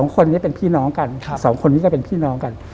๒คนนี้เป็นพี่น้องกัน๒คนนี้ก็เป็นพี่น้องกัน